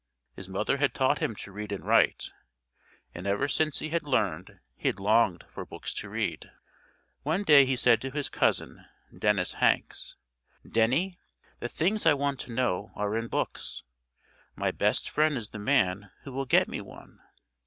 His mother had taught him to read and write, and ever since he had learned he had longed for books to read. One day he said to his cousin, Dennis Hanks, "Denny, the things I want to know are in books. My best friend is the man who will get me one."